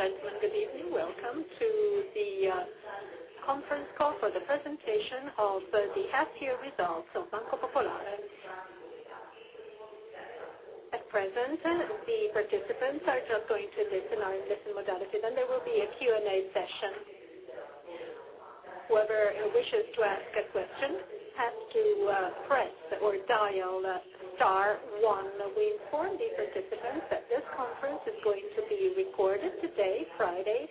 Ladies and gentlemen, good evening. Welcome to the conference call for the presentation of the H2 results of Banco Popolare. At present, the participants are just going to listen our listening modalities and there will be a Q&A session. Whoever wishes to ask a question has to press or dial star one. We inform the participants that this conference is going to be recorded today, Friday,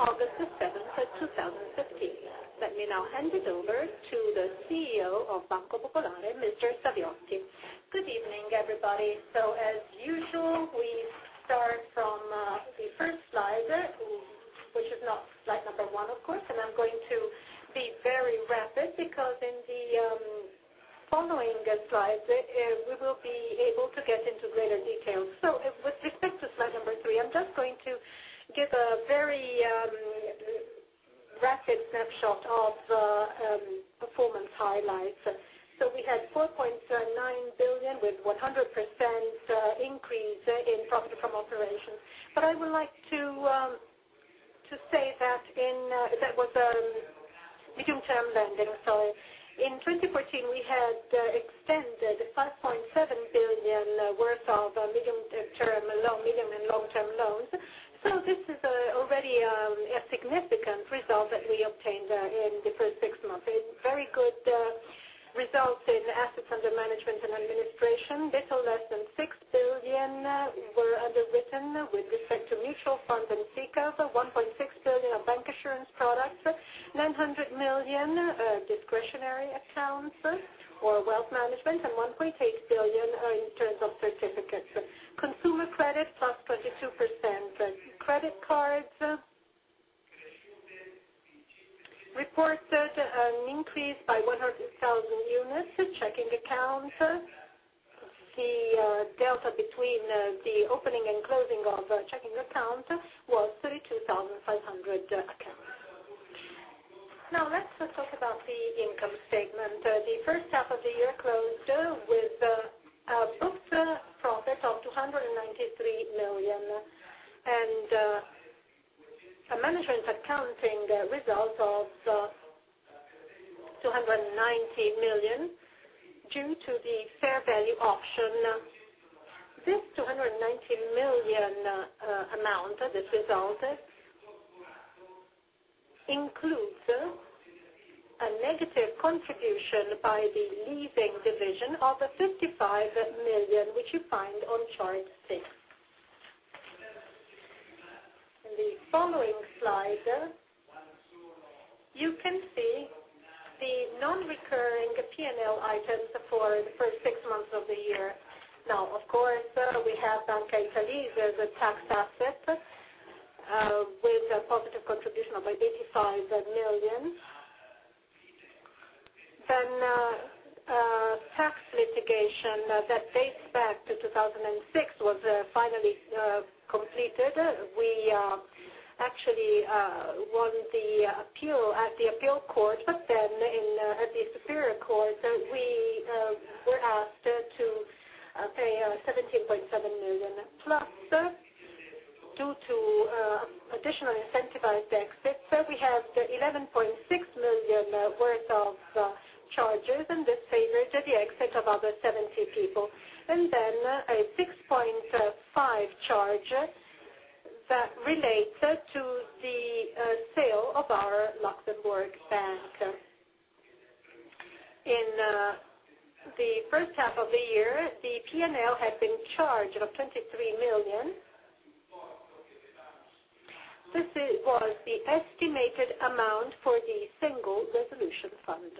August 7, 2015. Let me now hand it over to the CEO of Banco Popolare, Mr. Saviotti. Good evening, everybody. As usual, we start from the first slide, which is not slide number one, of course, I am going to be very rapid because in the following slides, we will be able to get into greater detail. With respect to slide number three, I am just going to give a very rapid snapshot of performance highlights. We had 4.9 billion with 100% increase in profit from operations. But I would like to say that was a medium-term lending. contribution by the leasing division of 55 million, which you find on chart six. In the following slide, you can see the non-recurring P&L items for the first six months of the year. Of course, we have Banca d'Italia's tax asset with a positive contribution of 85 million. Then tax litigation that dates back to 2006 was finally completed. We actually won the appeal at the appeal court, but then at the superior court, we were asked to pay 17.7 million plus due to additional incentivized exits. We have 11.6 million worth of charges, and this favors the exit of other 70 people, and then a 6.5 charge that relates to the sale of our Luxembourg bank. In the first half of the year, the P&L had been charged 23 million. This was the estimated amount for the Single Resolution Fund.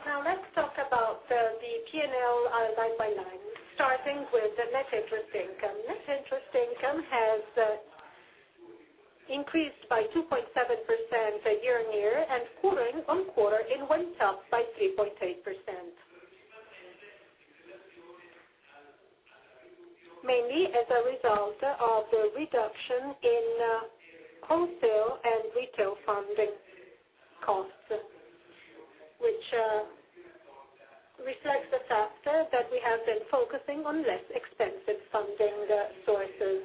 Let's talk about the P&L line by line, starting with net interest income. Net interest income has increased by 2.7% year-on-year and quarter-on-quarter it went up by 3.3%, mainly as a result of the reduction in wholesale and retail funding costs, which reflects the fact that we have been focusing on less expensive funding sources.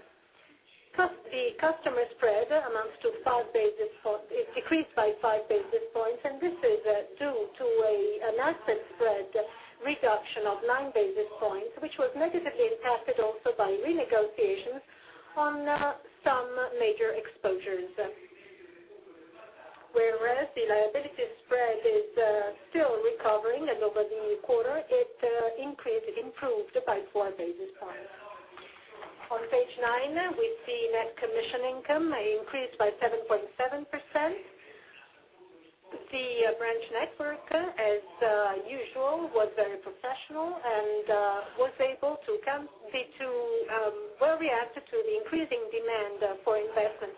The customer spread decreased by five basis points, and this is due to an asset spread reduction of nine basis points, which was negatively impacted also by renegotiations on some major exposures. Whereas the liability spread is still recovering and over the quarter it improved by four basis points. On page nine, we see net commission income increased by 7.7%. The branch network, as usual, was very professional and was able to well react to the increasing demand for investments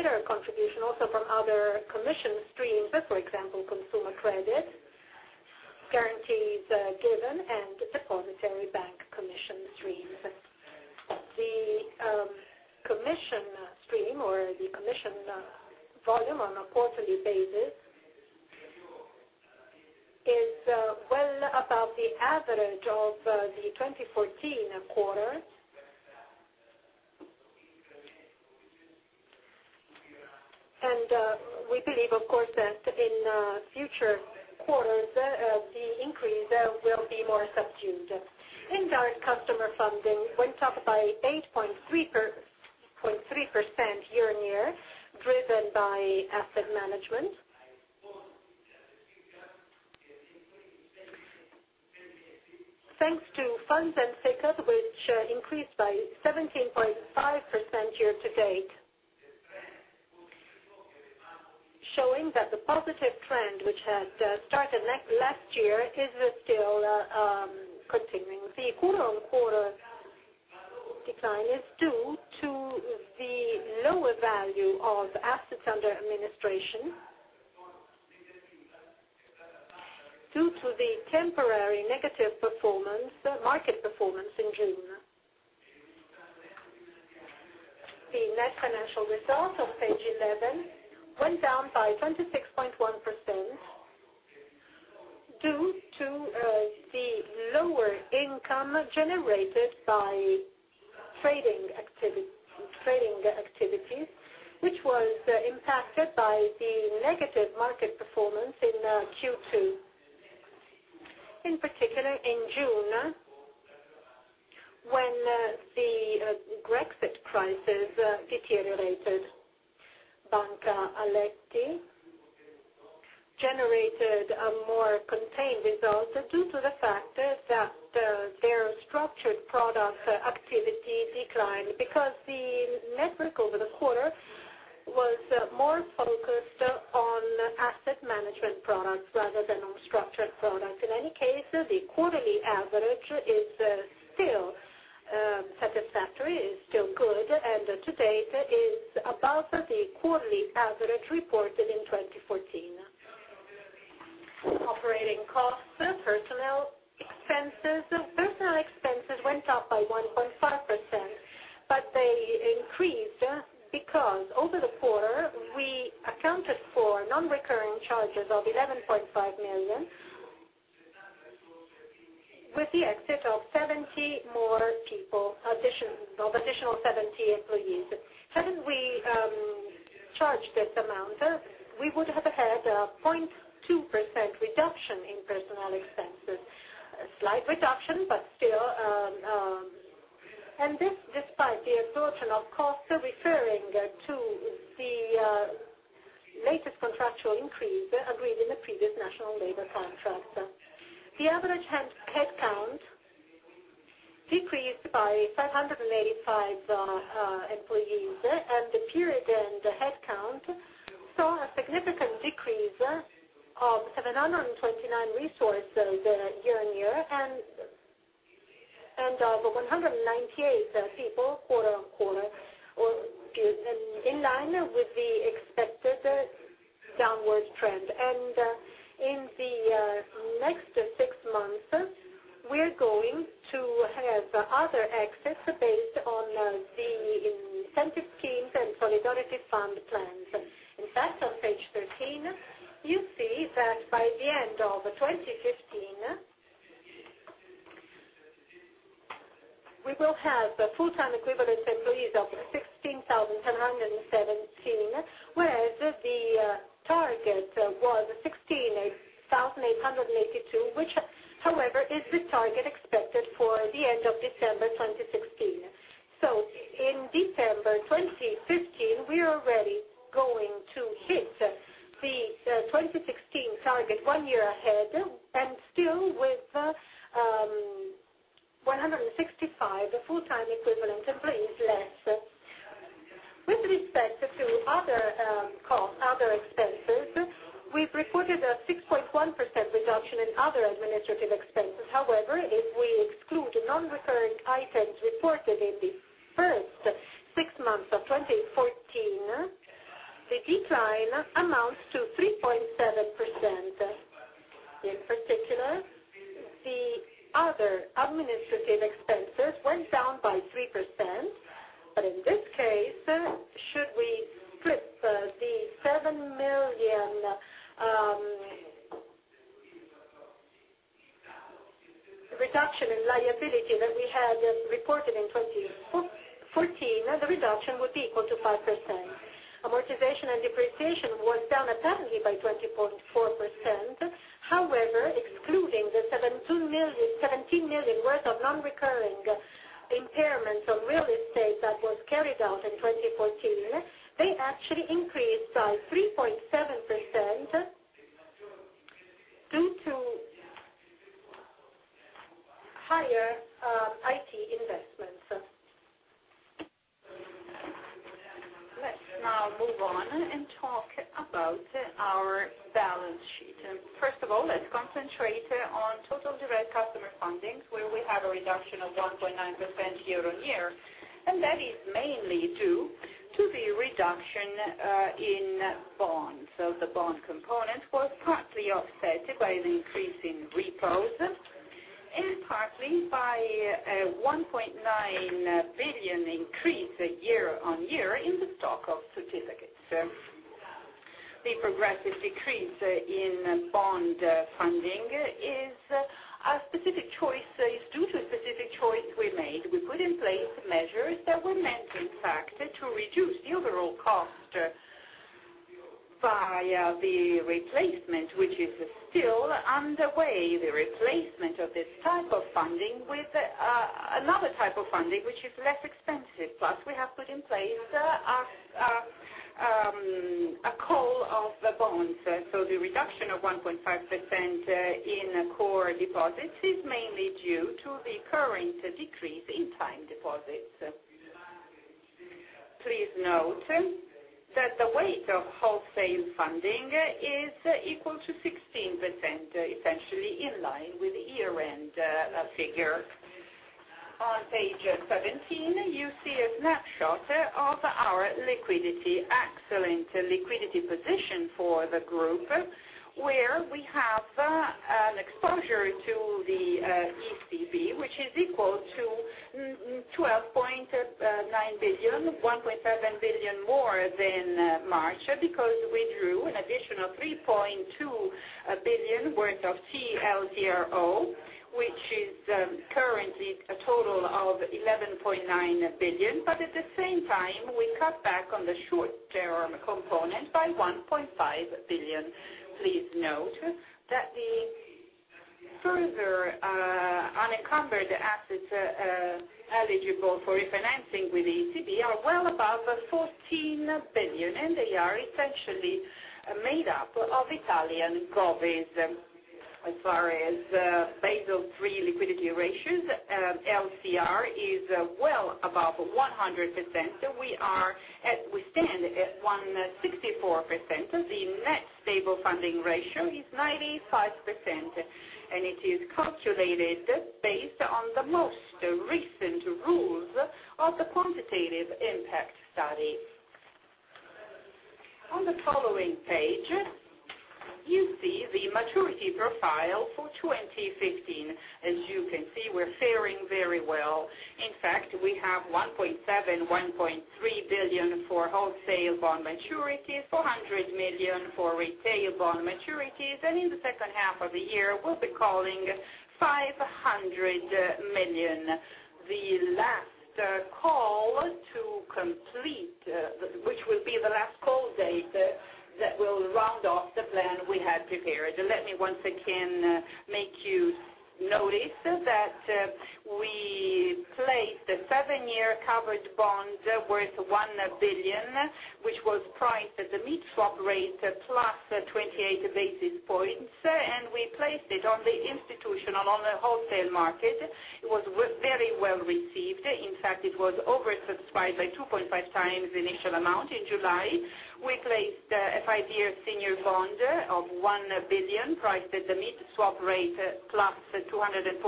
by customers, in particular with respect to asset management products. We've seen a greater contribution also from other commission streams, for example, consumer credit, guarantees given, and depository bank commission streams. The commission stream or the commission volume on a quarterly basis is well above the average of the 2014 quarters. We believe, of course, that in future quarters, the increase will be more subdued. Indirect customer funding went up by 8.3% year-on-year, driven by asset management. Thanks to funds and SICAVs, which increased by 17.5% year-to-date, showing that the positive trend which had started last year is still continuing. The quarter-on-quarter decline is due to the lower value of assets under administration, due to the temporary negative market performance in June. The net financial results on page 11 went down by 26.1% due to the lower income generated by trading activities, which was impacted by the negative market performance in Q2. In particular, in June, when the Brexit crisis deteriorated. Banca Aletti generated a more contained result due to the fact that their structured product activity declined, because the network over the quarter was more focused on asset management products rather than on structured products. In any case, the quarterly average is still satisfactory, is still good, and to date is above the quarterly average reported in 2014. Operating costs, personnel expenses. Personnel expenses went up by 1.5%, but they increased because over the quarter we accounted for non-recurring charges of 11.5 million, with the exit of additional 70 employees. Hadn't we charged this amount, we would have had a 0.2% reduction in personnel expenses. A slight reduction, and this despite the absorption of costs referring to the latest contractual increase agreed in the previous national labor contract. The average headcount decreased by 585 employees, and the period end headcount saw a significant decrease of 729 resources year-on-year, and of 198 people quarter-on-quarter, or in line with the expected downward trend. In the next six months, we're going to have other exits based on the incentive schemes and solidarity fund plans. In fact, on page 13, you see that by the end of 2015, we will have full-time equivalent employees of 16,217, whereas the target was 16,882, which, however, is the target expected for the end of December 2016. So in December 2015, we are already going to hit the 2016 target one year ahead, and still with 165 full-time equivalent employees less. With respect to other costs, other expenses, we've reported a 6.1% reduction in other administrative expenses. However, if we exclude non-recurring items reported in the first six months of 2014, the decline amounts to 3.7%. In particular, the other administrative expenses went down by 3%. But in this case, should we strip the EUR 7 million reduction in liability that we had reported in 2014, the reduction would be equal to 5%. Amortization and depreciation was down apparently by 20.4%. Excluding the 17 million worth of non-recurring impairments on real estate that was carried out in 2014, they actually increased by 3.7% due to higher IT investments. Let's now move on and talk about our balance sheet. First of all, let's concentrate on total direct customer fundings, where we have a reduction of 1.9% year-on-year. That is mainly due- Reduction in bonds. The bond component was partly offset by an increase in repos and partly by a 1.9 billion increase year-on-year in the stock of certificates. The progressive decrease in bond funding is due to a specific choice we made. We put in place measures that were meant, in fact, to reduce the overall cost via the replacement, which is still underway, the replacement of this type of funding with another type of funding, which is less expensive. We have put in place a call of the bonds. The reduction of 1.5% in core deposits is mainly due to the current decrease in time deposits. Please note that the weight of wholesale funding is equal to 16%, essentially in line with the year-end figure. On page 17, you see a snapshot of our liquidity, excellent liquidity position for the group, where we have an exposure to the ECB, which is equal to 12.9 billion, 1.7 billion more than March, because we drew an additional 3.2 billion worth of TLTRO, which is currently a total of 11.9 billion. At the same time, we cut back on the short-term component by 1.5 billion. Please note that the further unencumbered assets eligible for refinancing with the ECB are well above 14 billion, and they are essentially made up of Italian govies. As far as Basel III liquidity ratios, LCR is well above 100%. We stand at 164%. The Net Stable Funding Ratio is 95%, and it is calculated based on the most recent rules of the quantitative impact study. On the following page, you see the maturity profile for 2015. As you can see, we're faring very well. In fact, we have 1.7 billion, 1.3 billion for wholesale bond maturities, 400 million for retail bond maturities. In the second half of the year, we'll be calling 500 million. The last call to complete, which will be the last call date that will round off the plan we had prepared. Let me once again make you notice that we placed a seven-year covered bond worth 1 billion, which was priced at the mid-swap rate plus 28 basis points, and we placed it on the institutional, on the wholesale market. It was very well-received. In fact, it was oversubscribed by 2.5 times the initial amount in July. We placed a five-year senior bond of 1 billion priced at the mid-swap rate plus 240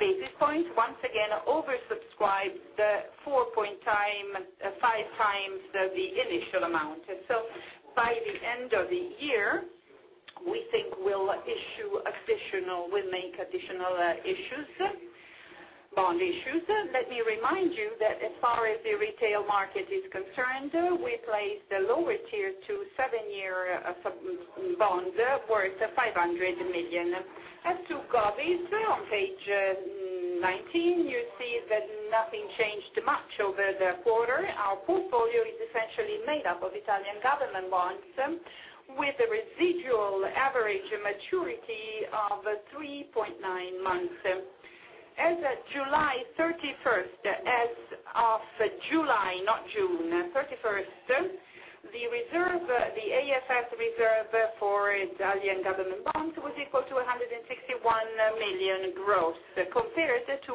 basis points. Once again, oversubscribed 4.5 times the initial amount. By the end of the year, we think we'll make additional bond issues. Let me remind you that as far as the retail market is concerned, we placed a lower Tier 2 seven-year bond worth 500 million. As to govies, on page 19, you see that nothing changed much over the quarter. Our portfolio is essentially made up of Italian government bonds with a residual average maturity of 3.9 months. As of July 31st, the AFS reserve for Italian government bonds was equal to 161 million gross, compared to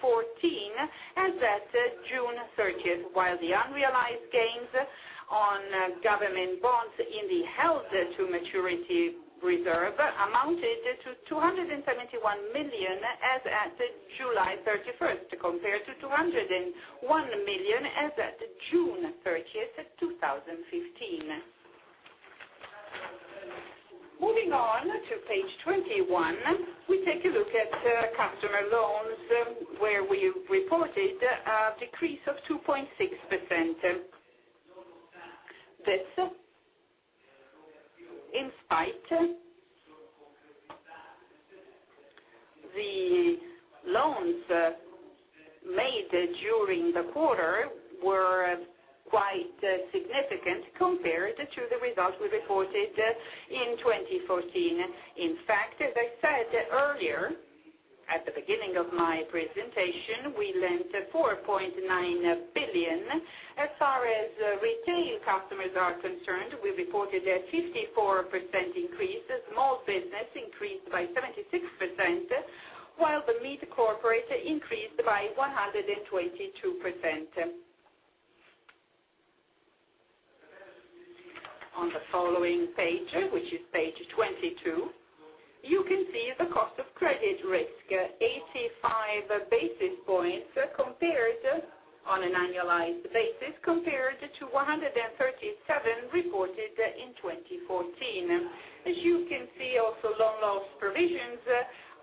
-14 as at June 30th, while the unrealized gains on government bonds in the held-to-maturity reserve amounted to 271 million as at July 31st, compared to 201 million as at June 30th, 2015. Moving on to page 21, we take a look at customer loans, where we reported a decrease of 2.6%. That's in spite the loans made during the quarter were quite significant compared to the results we reported in 2014. In fact, as I said earlier at the beginning of my presentation, we lent 4.9 billion. As far as retail customers are concerned, we reported a 54% increase. Small business increased by 76%, while the mid-corporate increased by 122%. On the following page, which is page 22, you can see the cost of credit risk, 85 basis points on an annualized basis, compared to 137 basis points reported in 2014. As you can see, also, loan loss provisions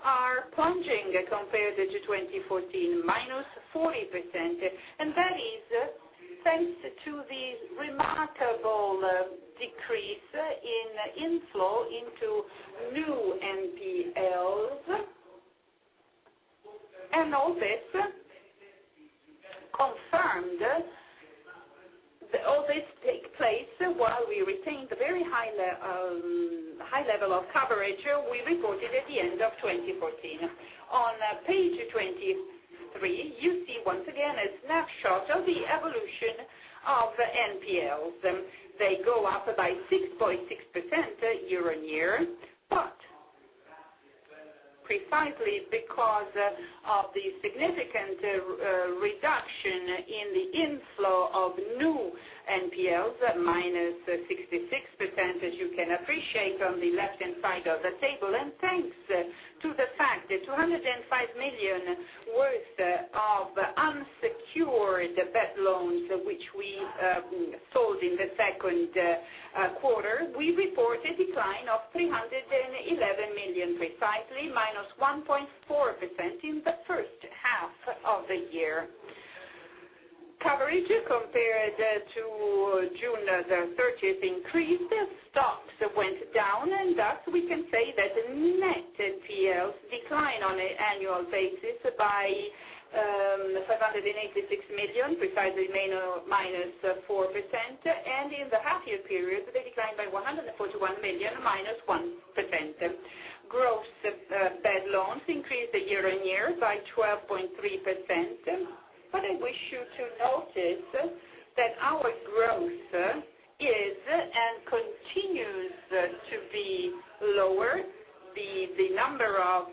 are plunging compared to 2014, minus 40%. That is thanks to the remarkable decrease in inflow into new NPLs. All this take place while we retained a very high level of coverage we reported at the end of 2014. On page 23, you see once again a snapshot of the evolution of NPLs. They go up by 6.6% year-on-year, precisely because of the significant reduction in the inflow of new NPLs, minus 66%, as you can appreciate on the left-hand side of the table. Thanks to the fact that 205 million worth of unsecured bad loans, which we sold in the second quarter, we report a decline of 311 million precisely, minus 1.4% in the first half of the year. Coverage compared to June 30th increased, stocks went down, and thus we can say that net NPLs decline on an annual basis by 786 million, precisely minus 4%, and in the half-year period, they declined by 141 million, minus 1%. Gross bad loans increased year-on-year by 12.3%, I wish you to notice that our growth is, and continues to be lower. The number of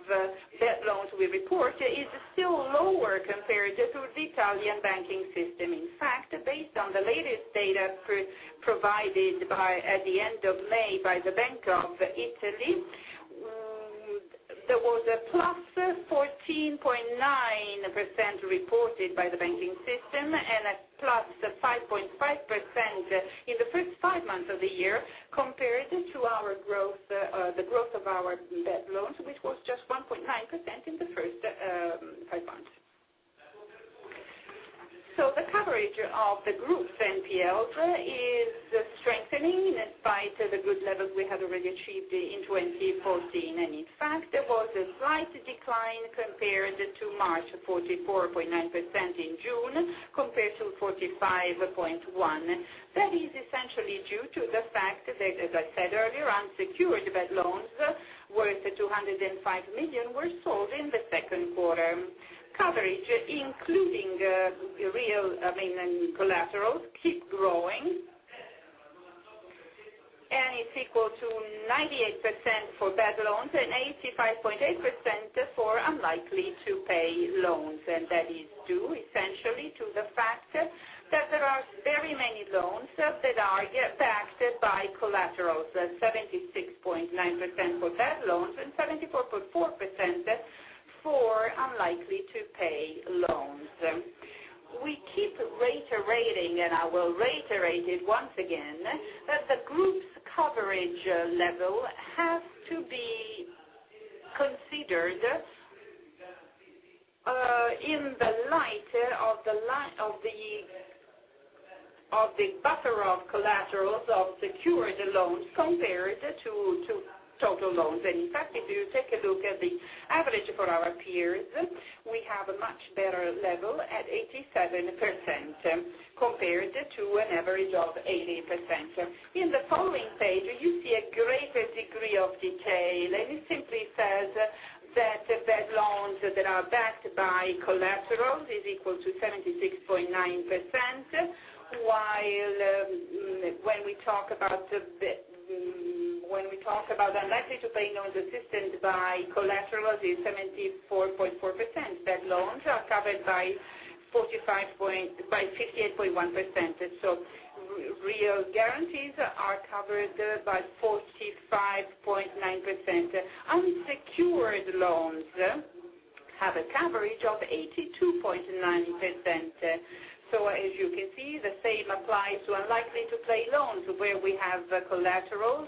bad loans we report is still lower compared to the Italian banking system. In fact, based on the latest data provided at the end of May by the Bank of Italy, there was a plus 14.9% reported by the banking system and a plus 5.5% in the first five months of the year compared to the growth of our bad loans, which was just 1.9% in the first five months. The coverage of the group's NPLs is strengthening despite the good levels we have already achieved in 2014. In fact, there was a slight decline compared to March, 44.9% in June, compared to 45.1%. That is essentially due to the fact that, as I said earlier, unsecured bad loans worth 205 million were sold in the second quarter. Coverage including real collaterals keep growing, and it is equal to 98% for bad loans and 85.8% for unlikely to pay loans. That is due essentially to the fact that there are very many loans that are backed by collaterals, 76.9% for bad loans and 74.4% for unlikely to pay loans. We keep reiterating, and I will reiterate it once again, that the group's coverage level has to be considered in the light of the buffer of collaterals of secured loans compared to total loans. In fact, if you take a look at the average for our peers, we have a much better level at 87% compared to an average of 80%. In the following page, you see a greater degree of detail. It simply says that bad loans that are backed by collaterals is equal to 76.9%, while when we talk about unlikely to pay loans assisted by collaterals is 74.4%. Bad loans are covered by 58.1%. Real guarantees are covered by 45.9%. Unsecured loans have a coverage of 82.9%. As you can see, the same applies to unlikely to pay loans where we have collaterals.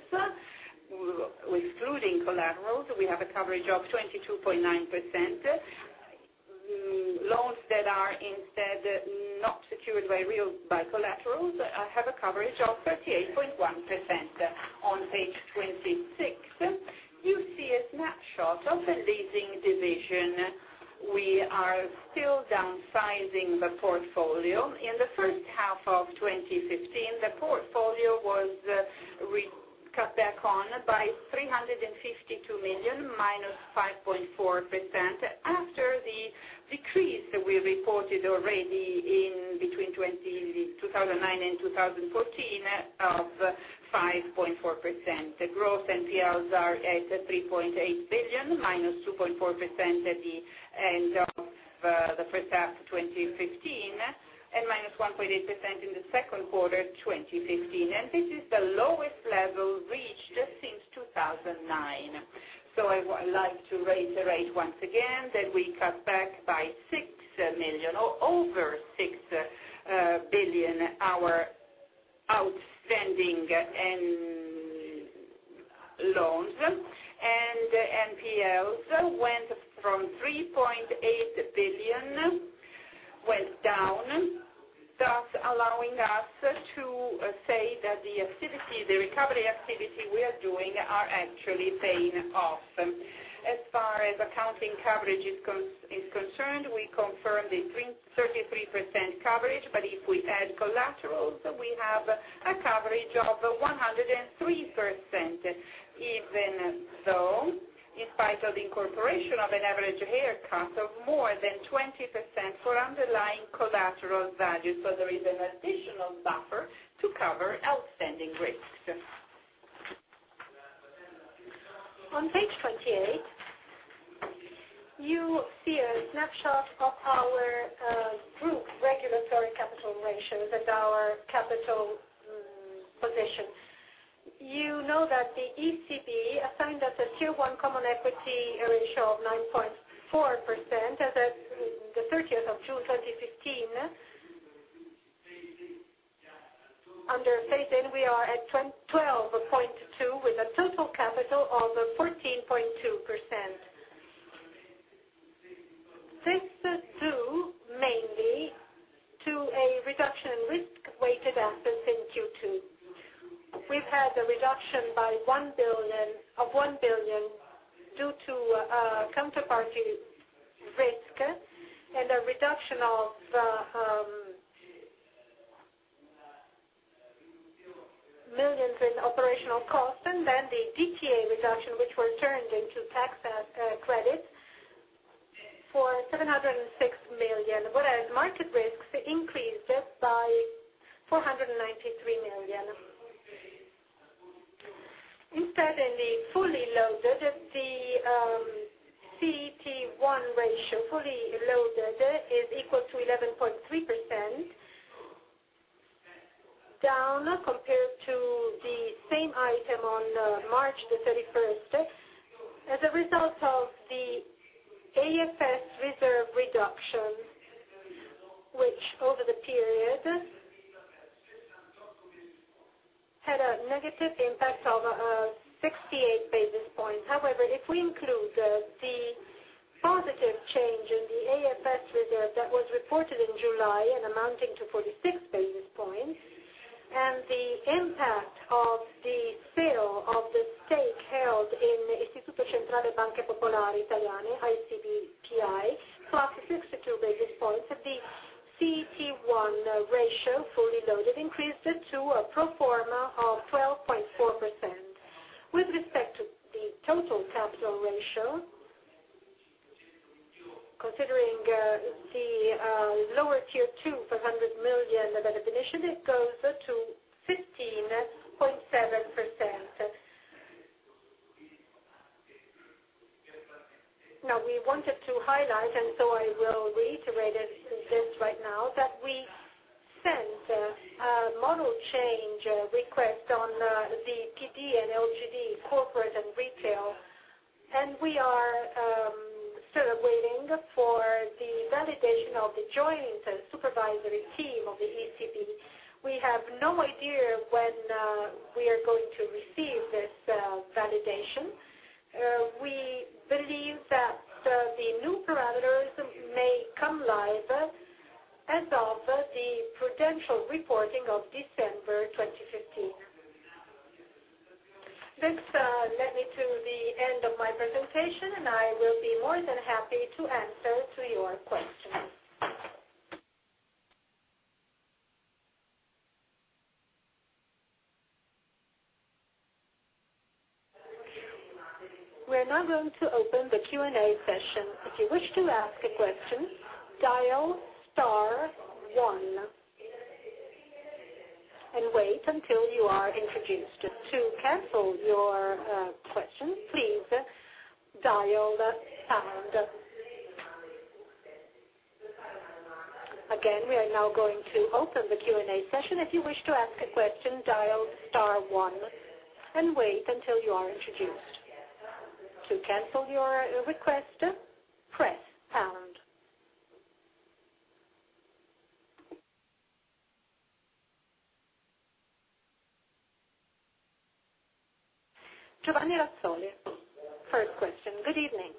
Excluding collaterals, we have a coverage of 22.9%. Loans that are instead not secured by collaterals have a coverage of 38.1%. On page 26, you see a snapshot of the leasing division. We are still downsizing the portfolio. In the first half of 2015, the portfolio was cut back on by 352 million, minus 5.4%, after the decrease we reported already between 2009 and 2014 of 5.4%. Gross Non-Performing Loans are at 3.8 billion, minus 2.4% at the end of the first half 2015. Minus 1.8% in the second quarter 2015. This is the lowest level reached since 2009. I would like to reiterate once again that we cut back by over EUR 6 billion our outstanding loans. Non-Performing Loans went from 3.8 billion, went down, thus allowing us to say that the recovery activity we are doing are actually paying off. As far as accounting coverage is concerned, we confirm the 33% coverage. If we add collaterals, we have a coverage of 103%, even though in spite of the incorporation of an average haircut of more than 20% for underlying collateral values. There is an additional buffer to cover outstanding risks. On page 28, you see a snapshot of our group regulatory capital ratios and our capital position. You know that the European Central Bank assigned us a Tier 1 common equity ratio of 9.4% as at June 30, 2015. Under Basel we are at 12.2% with a total capital of 14.2%. This is due mainly to a reduction in risk-weighted assets in Q2. We have had a reduction of 1 billion due to counterparty risk, a reduction of millions in operational cost, and then the DTA reduction, which were turned into tax credits for 706 million. Whereas market risks increased by 493 million. Instead, in the fully loaded, the CET1 ratio fully loaded is equal to 11.3%, down compared to the same item on March 31, as a result of pro forma of 12.4%. With respect to the total capital ratio, considering the lower Tier 2 of EUR 100 million redefinition, it goes to 15.7%. We wanted to highlight, and so I will reiterate this right now, that we sent a model change request on the PD and LGD corporate and retail, and we are still waiting for the validation of the Joint Supervisory Team of the ECB. We have no idea when we are going to receive this validation. We believe that the new parameters may come live as of the prudential reporting of December 2015. This led me to the end of my presentation, and I will be more than happy to answer to your questions. We are now going to open the Q&A session. If you wish to ask a question, dial star one and wait until you are introduced. To cancel your question, please dial pound. Again, we are now going to open the Q&A session. If you wish to ask a question, dial star one and wait until you are introduced. To cancel your request, press pound. Giovanni Razzoli. First question. Good evening.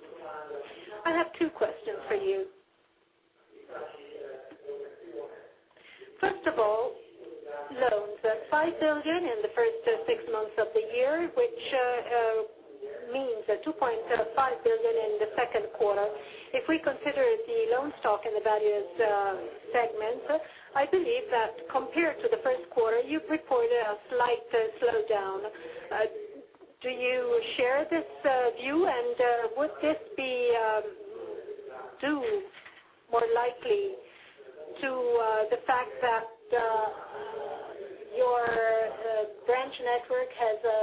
I have two questions for you. First of all, loans. 5 billion in the first six months of the year, which means 2.5 billion in the second quarter. If we consider the loan stock in the various segments, I believe that compared to the first quarter, you reported a slight slowdown. Do you share this view, and would this be due more likely to the fact that your Network has a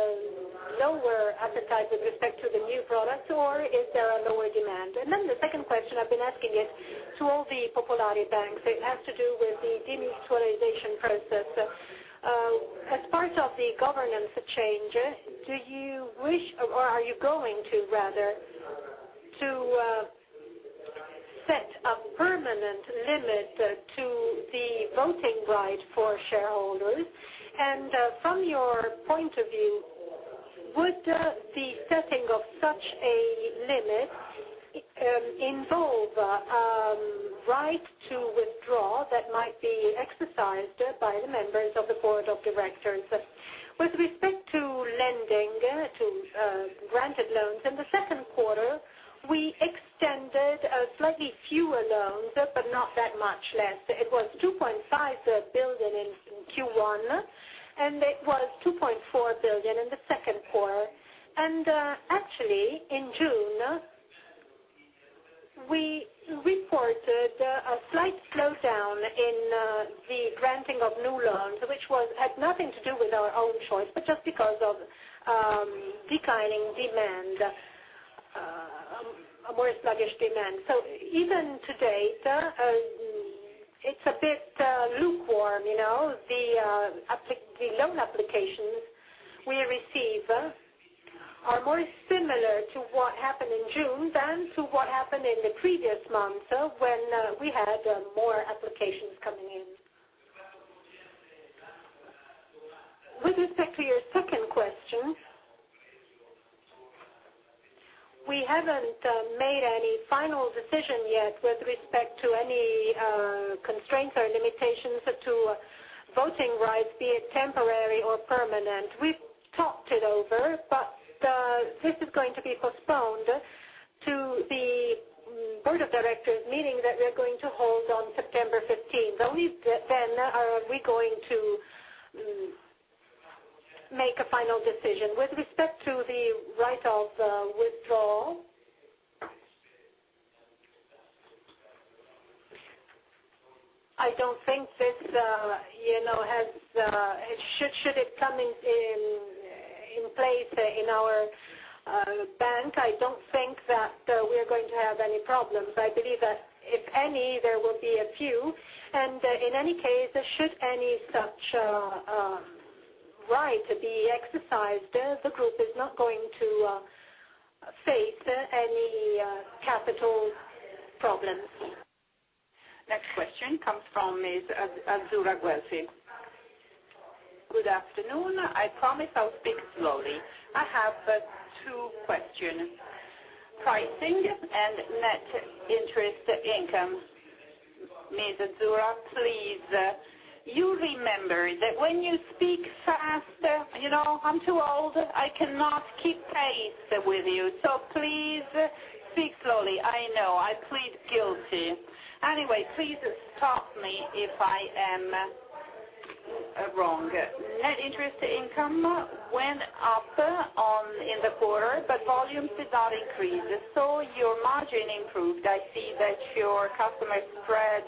lower appetite with respect to the new product, or is there a lower demand? The second question I've been asking is to all the Popolari banks. It has to do with the demutualization process. As part of the governance changes, are you going to set a permanent limit to the voting right for shareholders? From your point of view, would the setting of such a limit involve right to withdraw that might be exercised by the members of the board of directors? With respect to lending, to granted loans, in the second quarter, we extended slightly fewer loans, but not that much less. It was 2.5 billion in Q1, and it was 2.4 billion in the second quarter. In June, we reported a slight slowdown in the granting of new loans, which had nothing to do with our own choice, just because of declining demand, a more sluggish demand. Even today, it's a bit lukewarm. The loan applications we receive are more similar to what happened in June than to what happened in the previous months when we had more applications coming in. With respect to your second question, we haven't made any final decision yet with respect to any constraints or limitations to voting rights, be it temporary or permanent. We've talked it over, this is going to be postponed to the board of directors meeting that we're going to hold on September 15th. Only then are we going to make a final decision. With respect to the right of withdrawal, should it come in place in our bank, I don't think that we are going to have any problems. I believe that if any, there will be a few, and in any case, should any such right be exercised, the group is not going to face any capital problems. Next question comes from Ms. Azzurra Guelfi. Good afternoon. I promise I'll speak slowly. I have two questions. Pricing and net interest income. Ms. Azzurra, please, you remember that when you speak fast, I'm too old, I cannot keep pace with you, please speak slowly. I know. I plead guilty. Please stop me if I am wrong. Net interest income went up in the quarter. Volumes did not increase, so your margin improved. I see that your customer spread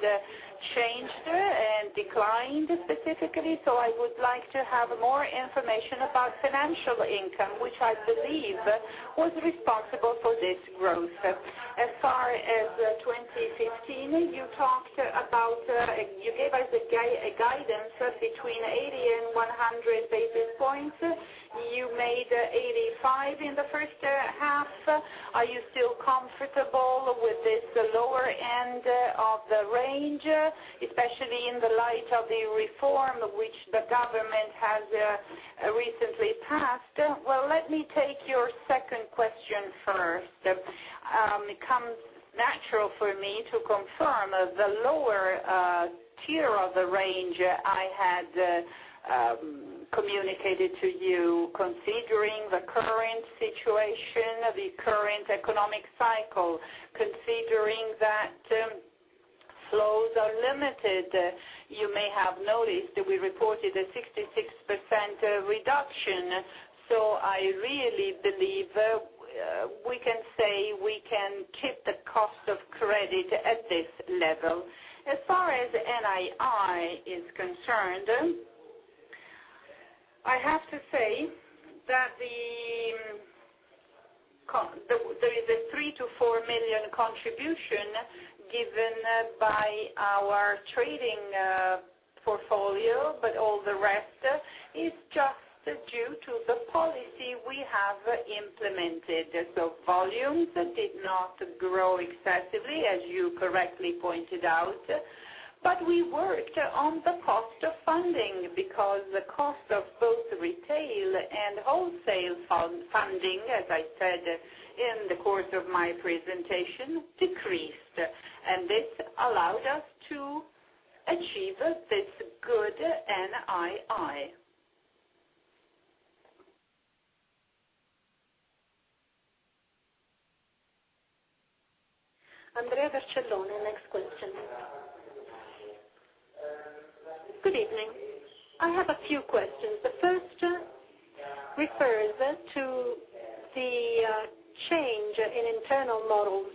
changed and declined specifically. I would like to have more information about financial income, which I believe was responsible for this growth. As far as 2015, you gave us a guidance between 80 and 100 basis points. You made 85 in the first half. Are you still comfortable with this lower end of the range, especially in the light of the reform which the government has recently passed? Well, let me take your second question first. It comes natural for me to confirm the lower tier of the range I had communicated to you, considering the current situation, the current economic cycle, considering that flows are limited. You may have noticed we reported a 66% reduction. I really believe we can say we can keep the cost of credit at this level. As far as NII is concerned, I have to say that there is a 3 million-4 million contribution given by our trading portfolio. All the rest is just due to the policy we have implemented. Volumes did not grow excessively, as you correctly pointed out. We worked on the cost of funding because the cost of both retail and wholesale funding, as I said in the course of my presentation, decreased. This allowed us to achieve this good NII. Andrea Vercellone, next question. Good evening. I have a few questions. The first refers to the internal models.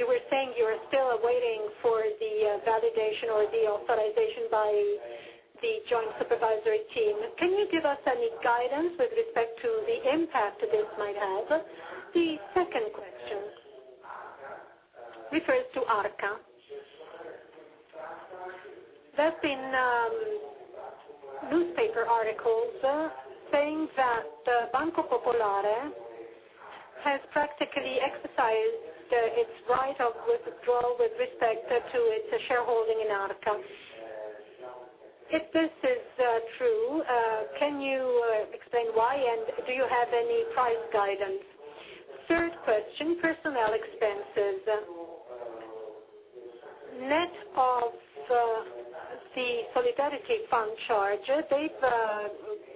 You were saying you are still waiting for the validation or the authorization by the Joint Supervisory Team. Can you give us any guidance with respect to the impact this might have? The second question refers to Arca. There have been newspaper articles saying that the Banco Popolare has practically exercised its right of withdrawal with respect to its shareholding in Arca. If this is true, can you explain why, and do you have any price guidance? Third question, personnel expenses. Net of the solidarity fund charge, they've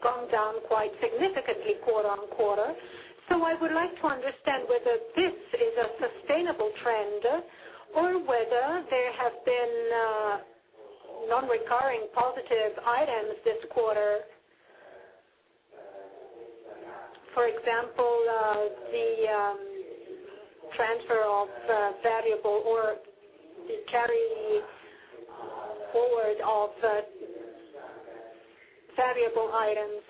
gone down quite significantly quarter-on-quarter. I would like to understand whether this is a sustainable trend or whether there have been non-recurring positive items this quarter. For example, the transfer of variable or the carry forward of variable items.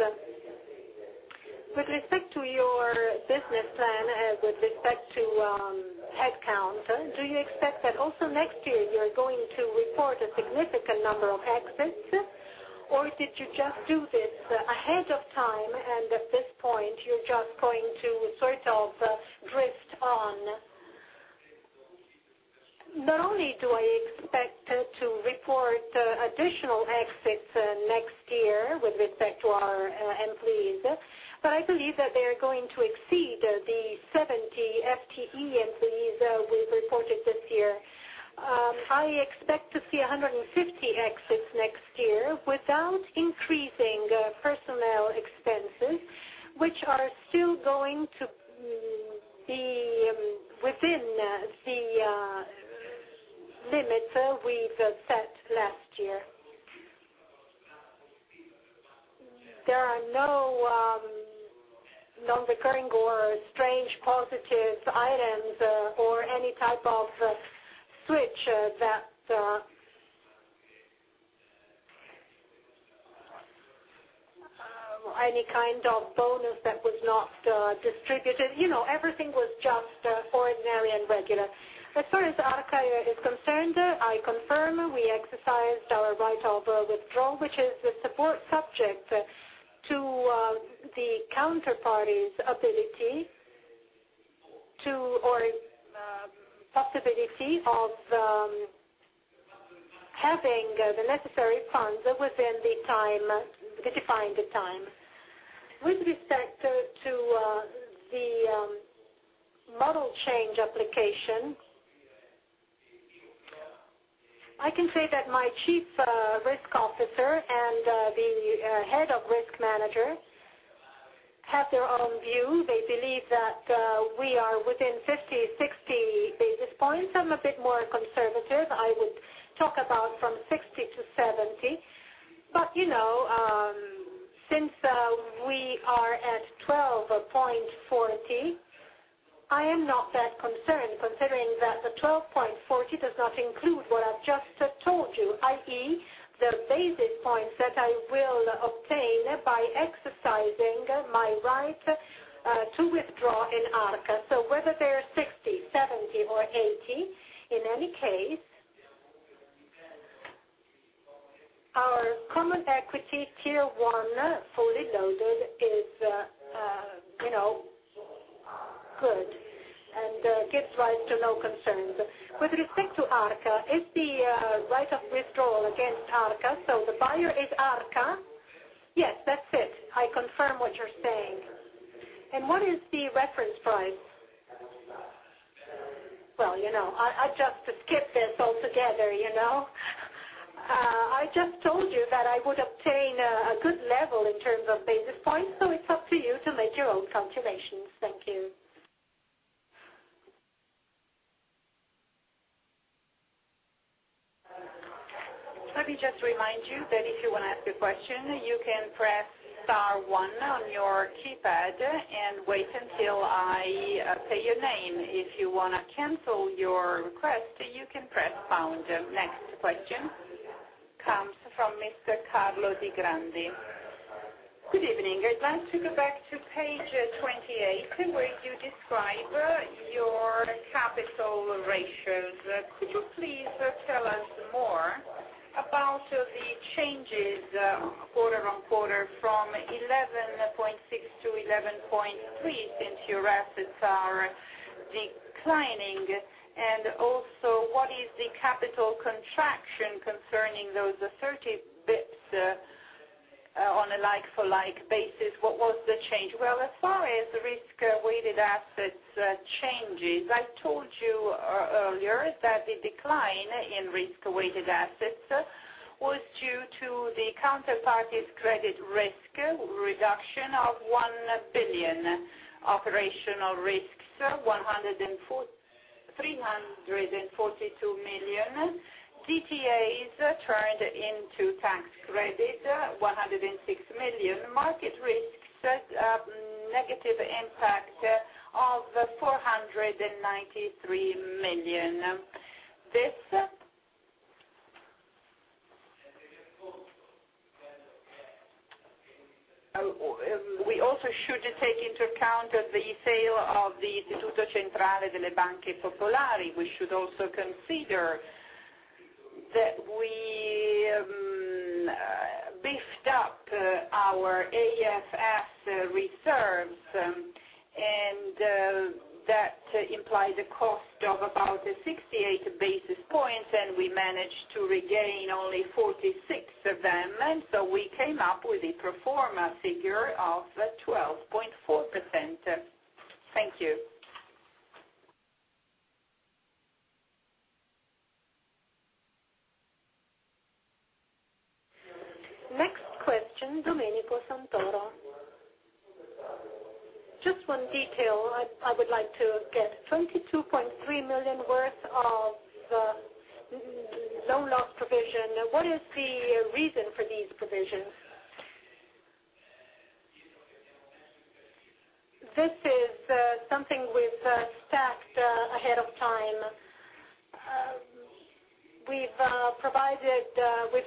With respect to your business plan and with respect to headcount, do you expect that also next year you are going to report a significant number of exits, or did you just do this ahead of time and at this point you're just going to sort of drift on? Not only do I expect to report additional exits next year with respect to our employees, I believe that they are going to exceed the 70 FTE employees we reported this year. I expect to see 150 exits next year without increasing personnel expenses, which are still going to be within the limits we've set last year. There are no non-recurring or strange positive items or any type of switch that was not distributed. Everything was just ordinary and regular. As far as Arca is concerned, I confirm we exercised our right of withdrawal, which is subject to the counterparty's ability to, or possibility of having the necessary funds within the defined time. With respect to the model change application, I can say that my chief risk officer and the head of risk managers have their own view. They believe that we are within 50, 60 basis points. I'm a bit more conservative. I would talk about from 60 to 70. Since we are at 12.40, I am not that concerned considering that the 12.40 does not include what I've just told you, i.e., the basis points that I will obtain by exercising my right to withdraw in Arca. So whether they are 60, 70, or 80, in any case, our common equity Tier 1, fully loaded, is good and gives rise to no concerns. With respect to Arca, it's the right of withdrawal against Arca. So the buyer is Arca. Yes, that's it. I confirm what you're saying. What is the reference price? Well, I'd just skip this altogether. I just told you that I would obtain a good level in terms of basis points, so it's up to you to make your own calculations. Thank you. Let me just remind you that if you want to ask a question, you can press star one on your keypad and wait until I say your name. If you want to cancel your request, you can press pound. Next question comes from Mr. Carlo Di Grandi. Good evening. I'd like to go back to page 28, where you describe your capital ratios. Could you please tell us more about the changes quarter on quarter from 11.6 to 11.3, since your assets are declining, and also, what is the capital contraction concerning those 30 basis points on a like-for-like basis? What was the change? As far as risk-weighted assets changes, I told you earlier that the decline in risk-weighted assets was due to the counterparty's credit risk reduction of 1 billion, operational risks 342 million. DTAs turned into tax credit, 106 million. Market risks, negative impact of 493 million. We also should take into account the sale of the Istituto Centrale delle Banche Popolari. We should also consider that we beefed up our AFS reserves, and that implies a cost of about 68 basis points, and we managed to regain only 46 of them. So we came up with a pro forma figure of 12.4%. Thank you. Next question, Domenico Santoro. Just one detail I would like to get. 22.3 million worth of loan loss provision. What is the reason for these provisions? This is something we've stacked ahead of time. We've set aside these provisions for possible but not probable, not likely risks. It's a sort of contingency. We wanted to be prudent. I'm not going to detail or itemize what are